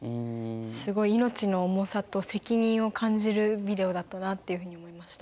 すごい命の重さと責任を感じるビデオだったなっていうふうに思いました。